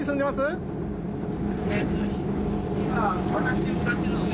今私に向かってるので。